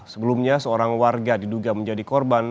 sebelumnya seorang warga diduga menjadi korban